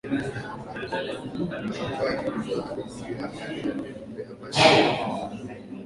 waliochochea mauaji ya raia nchini libya